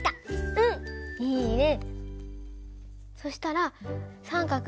うんいいね！